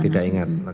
tidak ingat yang mana